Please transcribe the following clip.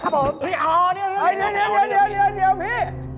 เดี๋ยวพี่